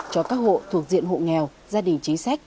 cho các hộ thuộc diện hộ nghèo gia đình chính sách